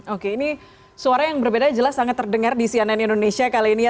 oke ini suara yang berbeda jelas sangat terdengar di cnn indonesia kali ini ya